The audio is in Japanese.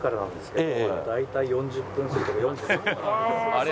「あれ？